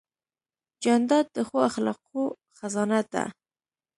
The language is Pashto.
جانداد د ښو اخلاقو خزانه ده.